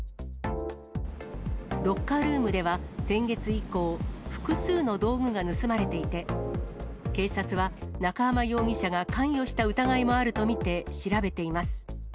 ロッカールームでは先月以降、複数の道具が盗まれていて、警察は、中浜容疑者が関与した疑いもあると見て、調べています。